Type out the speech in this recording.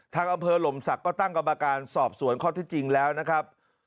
ทางอำเภอหลมศักดิ์ก็ตั้งกรรมการสอบสวนข้อที่จริงแล้วนะครับ